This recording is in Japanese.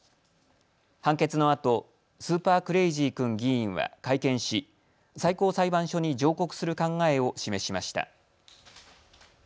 判決のあとスーパークレイジー君議員は会見し最高裁判所に上告する考えを示しました。